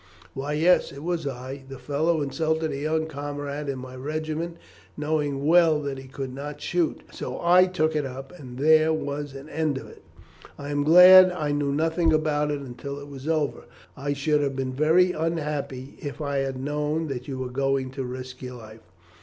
"Well, yes, it was I. The fellow insulted a young comrade in my regiment, knowing well that he could not shoot; so I took it up, and there was an end of it." "I am glad I knew nothing about it until it was all over. I should have been very unhappy if I had known that you were going to risk your life."